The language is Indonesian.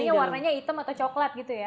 iya warnanya hitam atau coklat gitu ya